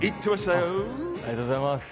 ありがとうございます。